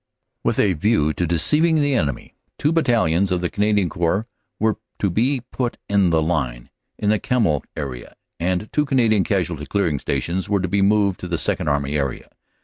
"With a view to deceiving the enemy, two battalions of the FROM ARRAS TO AMIENS 19 Canadian Corps were to be put in the line in the Kemmel area, and two Canadian Casualty Clearing Stations were to be moved to the Second Army area.